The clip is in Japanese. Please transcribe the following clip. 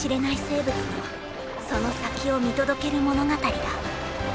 生物のその先を見届ける物語だ。